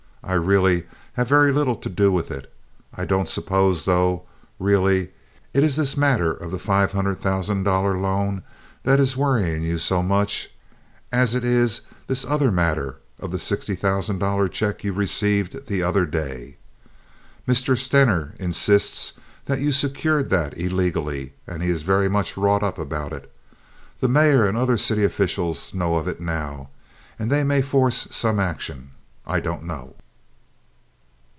I really have very little to do with it. I don't suppose, though, really, it is this matter of the five hundred thousand dollar loan that is worrying you so much, as it is this other matter of the sixty thousand dollar check you received the other day. Mr. Stener insists that you secured that illegally, and he is very much wrought up about it. The mayor and the other city officials know of it now, and they may force some action. I don't know."